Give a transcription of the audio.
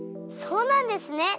そうなんですね。